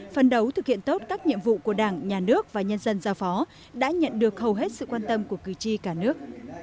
phần đấu thực hiện tốt các nhiệm vụ của đảng nhà nước và nhân dân giao phó đã nhận được hầu hết sự quan tâm của cử tri cả nước